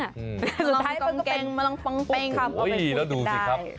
มาลองกองแกงมาลองปองแปงปุ๊บคำเอาไปพูดกันได้โอ้โฮแล้วดูสิครับ